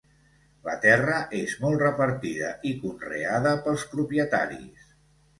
La terra és molt repartida i conreada pels propietaris.